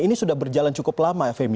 ini sudah berjalan cukup lama femi